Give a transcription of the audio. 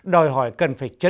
đòi hỏi cần phải xử phạt